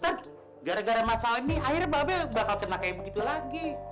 eh gara gara masalah ini akhirnya babel bakal kena kayak begitu lagi